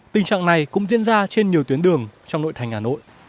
tình trạng này cũng diễn ra trên nhiều tuyến đường trong nội thành hà nội